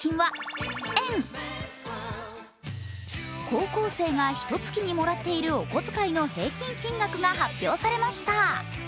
高校生が１月にもらっているお小遣いの平均金額が発表されました。